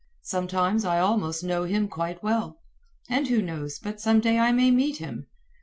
Sometimes I almost know him quite well. And who knows but some day I may meet him?